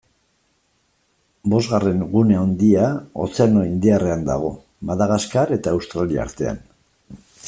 Bosgarren gune handia Ozeano Indiarrean dago, Madagaskar eta Australia artean.